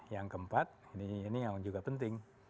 yang keempat ini yang juga penting